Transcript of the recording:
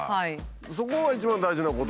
そこが一番大事なことで。